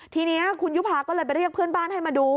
ทีนี้คุณยุภาก็เลยไปเรียกเพื่อนบ้านให้มาดู